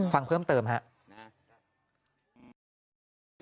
ฟังเพิ่มเติมครับ